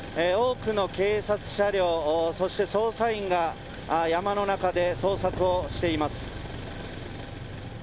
多くの警察車両、そして捜査員が山の中で捜索をしています。